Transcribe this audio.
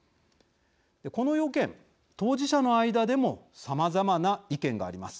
この要件、当事者の間でもさまざまな意見があります。